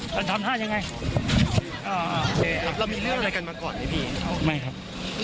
กันทำท่ายังไงอ่าเรามีเรื่องอะไรกันมาก่อนไหมพี่ไม่ครับโอเค